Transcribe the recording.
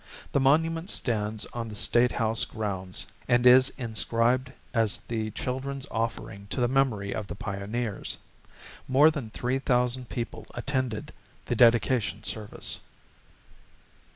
The monument stands on the State House grounds and is inscribed as the children's offering to the memory of the pioneers. More than three thousand people attended the dedication service.